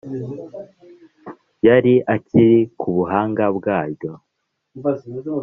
yari akiri ku buhange bwaryo.